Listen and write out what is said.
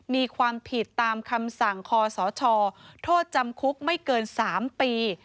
มีความผิดตามคำสั่งคอสชโทษจำคุกไม่เกิน๓ปี